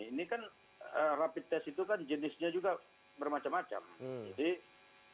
ini kan rapid test itu kan jenisnya juga